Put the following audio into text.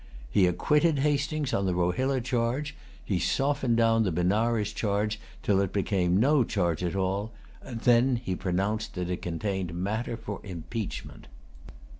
He acquitted Hastings on the Rohilla charge. He softened down the Benares charge till it became no charge at all; and then he pronounced that it contained matter for impeachment.